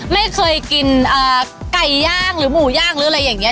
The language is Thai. ไม่เคยกินไก่ย่างหรือหมูย่างหรืออะไรอย่างนี้